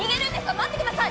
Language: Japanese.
待ってください。